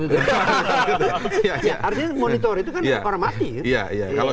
artinya monitor itu kan orang mati